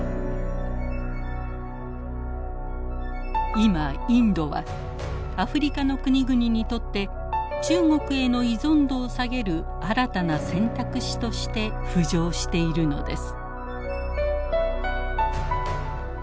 今インドはアフリカの国々にとって中国への依存度を下げる新たな選択肢として浮上しているのです。